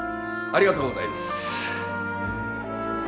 ありがとうございます。